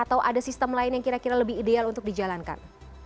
atau ada sistem lain yang kira kira lebih ideal untuk dijalankan